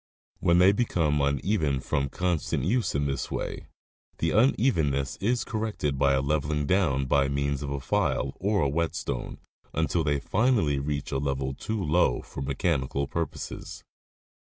When they become uneven from constant use in this way, the unevenness is corrected by a levelling down by means of a file Arctic Orwise of the U.S. 8. Thetis in 1889. 197 or @ whetstone, until they finally reach a level too low for mechanical purposes.